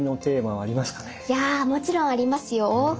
いやもちろんありますよ。